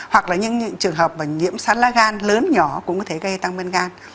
hoặc là những trường hợp nhiễm sát la gan lớn nhỏ cũng có thể gây ra tăng men gan